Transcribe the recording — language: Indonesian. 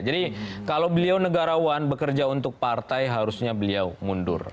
jadi kalau beliau negarawan bekerja untuk partai harusnya beliau mundur